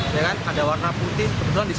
ada yang warna putih kenapa disini ada warna putih